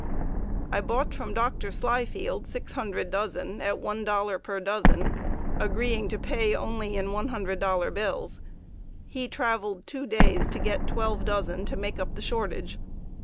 I bought from Dr. Slyfield 600 dozen at $1 per dozen, agreeing to pay only in one hundred dollar bills. He traveled two days to get twelve dozen to make up the shortage.